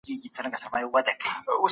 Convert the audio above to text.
د ولسي جرګي عمومي غونډي کله کیږي؟